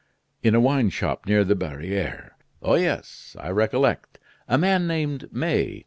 "In a wine shop near the barriere." "Oh, yes, I recollect: a man named May.